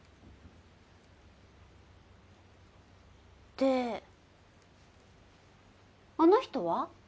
であの人は？